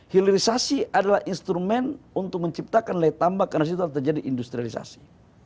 hilirisasi adalah instrumen untuk menciptakan layak tambah karena itu harus terjadi industrialisasi